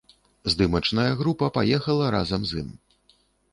Здымачная група паехала разам з ім.